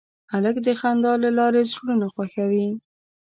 هلک د خندا له لارې زړونه خوښوي.